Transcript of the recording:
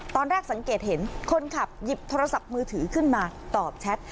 ตอนแรกสังเกตเห็นคนขับหยิบโทรศัพท์มือถือขึ้นมาตอบแชท